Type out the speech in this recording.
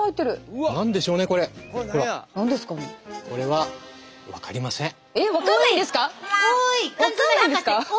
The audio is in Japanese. わかんないんですか？